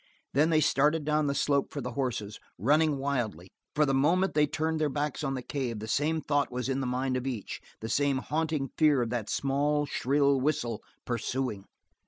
Then they started down the slope for the horses, running wildly, for the moment they turned their backs on the cave the same thought was in the mind of each, the same haunting fear of that small, shrill whistle pursuing.